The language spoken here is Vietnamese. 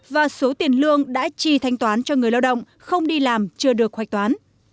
và số tiền lương đã chi thanh toán cho người lao động không đi làm chưa được hoạch toán